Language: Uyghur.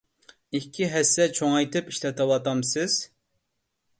ئىككى ھەسسە چوڭايتىپ ئىشلىتىۋاتامسىز؟